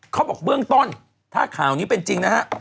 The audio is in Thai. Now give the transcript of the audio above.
บอกเบื้องต้นถ้าข่าวนี้เป็นจริงนะฮะ